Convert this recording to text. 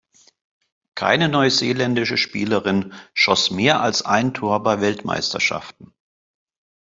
Keine neuseeländische Spielerin schoss mehr als ein Tor bei Weltmeisterschaften.